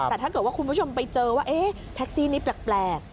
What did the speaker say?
แต่ถ้าเกิดว่าคุณผู้ชมไปเจอว่าแท็กซี่นี้แปลก